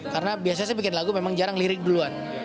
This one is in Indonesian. karena biasanya saya bikin lagu memang jarang lirik duluan